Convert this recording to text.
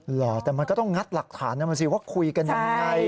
เหรอแต่มันก็ต้องงัดหลักฐานนะมันสิว่าคุยกันยังไง